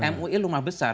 mui lumah besar